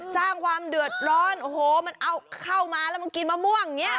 สร้างความเดือดร้อนโอ้โหมันเอาเข้ามาแล้วมันกินมะม่วงอย่างนี้